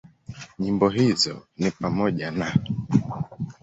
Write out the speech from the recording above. Nyimbo hizo ni pamoja na;